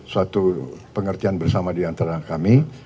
suatu pengertian bersama diantara kami